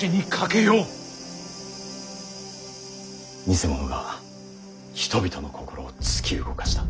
偽物が人々の心を突き動かした。